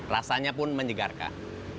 rasanya pun menyegarkah